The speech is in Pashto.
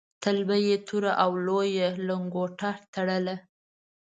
تل به یې توره او لویه لنګوټه تړله.